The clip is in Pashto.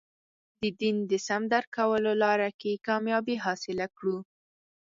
د دین د سم درک کولو لاره کې کامیابي حاصله کړو.